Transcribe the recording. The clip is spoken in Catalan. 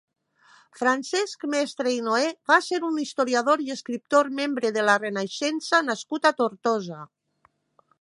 Francesc Mestre i Noé va ser un historiador i escriptor membre de la Renaixença nascut a Tortosa.